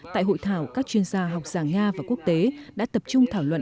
tại hội thảo các chuyên gia học giả nga và quốc tế đã tập trung thảo luận